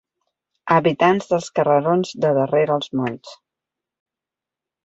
Habitants dels carrerons de darrere els molls